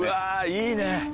いいね